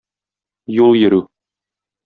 Юл йөрү.